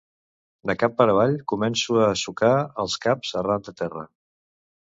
De cap per avall, començo a assocar els ceps arran de terra.